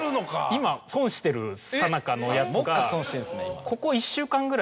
今損しているさなかのやつが。